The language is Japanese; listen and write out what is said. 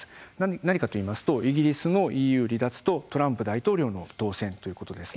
何かといいますとイギリスのＥＵ離脱とトランプ大統領の当選です。